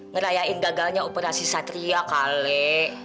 ngerayain gagalnya operasi satria kale